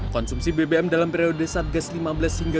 konsumsi bbm dalam periode satgas lima belas hingga dua ribu